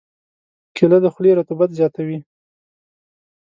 کېله د خولې رطوبت زیاتوي.